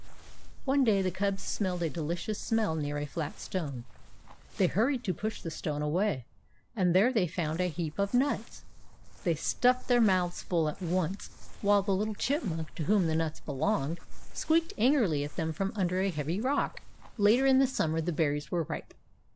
One day the cubs smelled a delicious smell near a flat stone. They hurried to push the stone away, and there they found a heap of nuts. They stuffed their mouths full at once, while the little chipmunk, to whom the nuts belonged, squeaked angrily at them from under a heavy rock. Later in the summer the berries were ripe.